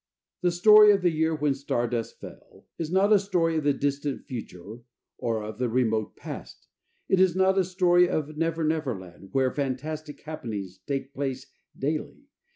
The story of THE YEAR WHEN STARDUST FELL is not a story of the distant future or of the remote past. It is not a story of a never never land where fantastic happenings take place daily.